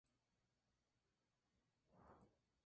Además en las ediciones dos y tres se entregaron Gs.